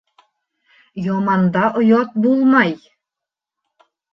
Яманда оят булмай.